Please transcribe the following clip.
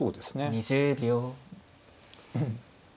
２０秒。